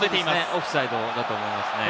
オフサイドだと思いますね。